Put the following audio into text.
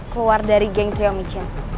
keluar dari geng trio micha